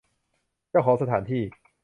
เจ้าของสถานที่